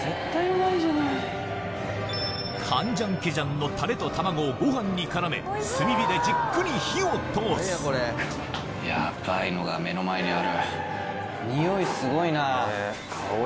カンジャンケジャンのタレと卵をご飯に絡め炭火でじっくり火を通すヤバいのが目の前にある。